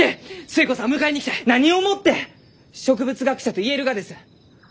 何をもって植物学者と言えるがです？